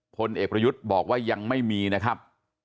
พลเอกประยุทธ์บอกว่ายังไม่มีนะครับ